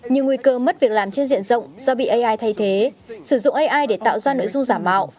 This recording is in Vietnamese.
như nguy cơ mất việc làm trên diện rộng do bị ai thay thế sử dụng ai để tạo ra nội dung giả mạo